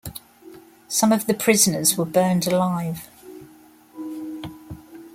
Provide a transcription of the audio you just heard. Some of the prisoners were burned alive.